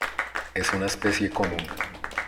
Es una especie común.